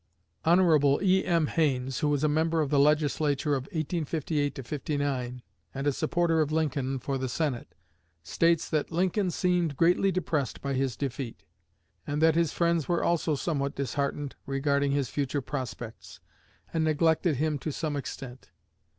Hon. E.M. Haines, who was a member of the Legislature of 1858 9, and a supporter of Lincoln for the Senate, states that Lincoln seemed greatly depressed by his defeat, and that his friends were also somewhat disheartened regarding his future prospects, and neglected him to some extent.